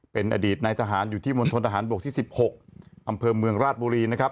เป็นอดีตนายทหารอยู่ที่มณฑนทหารบกที่๑๖อำเภอเมืองราชบุรีนะครับ